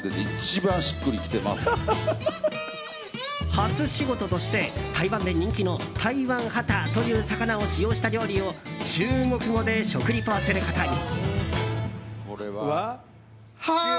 初仕事として、台湾で人気の台湾ハタという魚を使用した料理を中国語で食リポすることに。